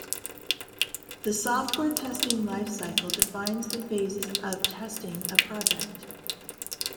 The software testing life cycle defines the phases of testing a project.